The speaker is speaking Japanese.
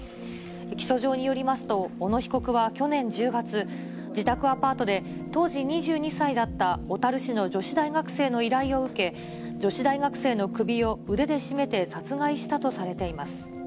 起訴状によりますと、小野被告は去年１０月、自宅アパートで、当時２２歳だった小樽市の女子大学生の依頼を受け、女子大学生の首を腕で絞めて殺害したとされています。